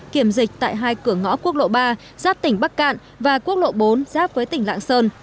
kiểm dịch tại hai cửa ngõ quốc lộ ba giáp tỉnh bắc cạn và quốc lộ bốn giáp với tỉnh lạng sơn